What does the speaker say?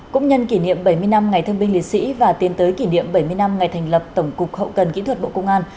cũng nhân kỷ niệm bảy mươi năm ngày thương binh liệt sĩ và tiến tới kỷ niệm bảy mươi năm ngày thành lập tổng cục hậu cần kỹ thuật bộ công an